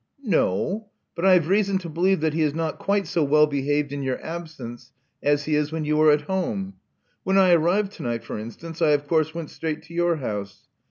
No. But I have reason to believe that he is not quite so well behaved in your absence as he is when you are at home. When I arrived to night, for instance, I, of course, went straight to your house.